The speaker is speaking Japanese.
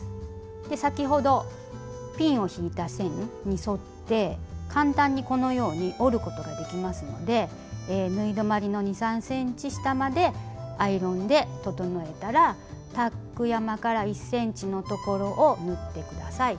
先ほどピンを引いた線に沿って簡単にこのように折ることができますので縫い止まりの２３ｃｍ下までアイロンで整えたらタック山から１ｃｍのところを縫ってください。